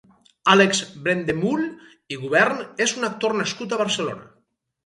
Àlex Brendemühl i Gubern és un actor nascut a Barcelona.